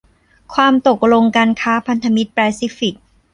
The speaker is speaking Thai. ความตกลงการค้าพันธมิตรแปซิฟิก